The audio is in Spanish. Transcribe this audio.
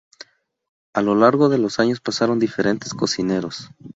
A lo largo de los años pasaron diferentes cocineros.